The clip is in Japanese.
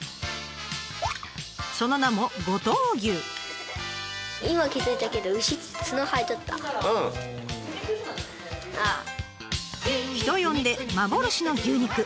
その名も人呼んで幻の牛肉。